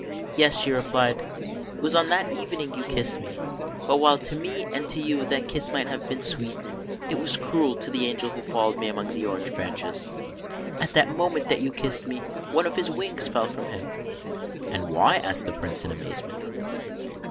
"Yes," replied she, "it was on that evening you kissed me ; but, while to me and to you that kiss might have been sweet, it was cruel to the angel who followed me among the orange branches. At the very moment that you kissed me, one of his wings fell from him." "And why? " asked the Prince, in amazement.